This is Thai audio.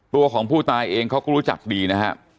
ตัวของผู้ตายเองเขาก็รู้จักดีนะฮะ